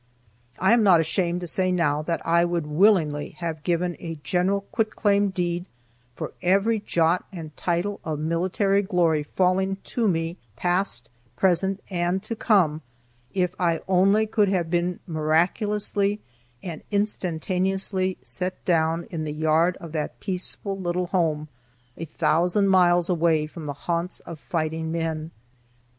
I am not ashamed to say now that I would willingly have given a general quit claim deed for every jot and tittle of military glory falling to me, past, present, and to come, if I only could have been miraculously and instantaneously set down in the yard of that peaceful little home, a thousand miles away from the haunts of fighting men.